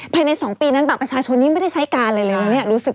ภายในสองปีนั้นประชาชนนี้ไม่ได้ใช้การอะไรเหรอนี่